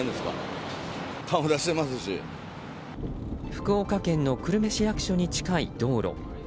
福岡県の久留米市役所に近い道路。